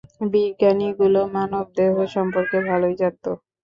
বিজ্ঞানীগুলো মানবদেহ সম্পর্কে ভালোই জানতো।